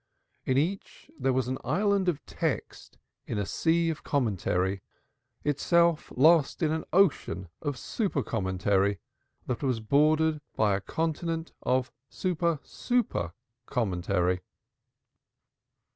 In each there was an island of text in a sea of commentary, itself lost in an ocean of super commentary that was bordered by a continent of super super commentary.